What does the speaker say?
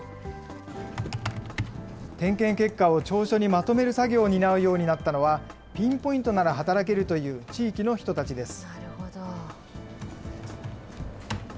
点検結果を調書にまとめる作業を担うようになったのは、ピンポイントなら働けるという地域の人たちです。